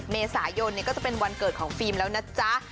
เมษายนก็จะเป็นวันเกิดของฟิล์มแล้วนะจ๊ะ